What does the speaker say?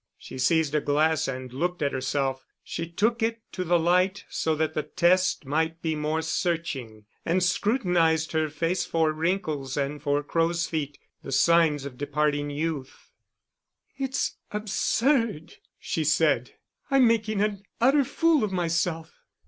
She seized a glass and looked at herself; she took it to the light so that the test might be more searching, and scrutinised her face for wrinkles and for crow's feet, the signs of departing youth. "It's absurd," she said. "I'm making an utter fool of myself."